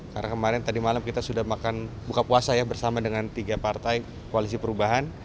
karena kemarin tadi malam kita sudah makan buka puasa bersama dengan tiga partai koalisi perubahan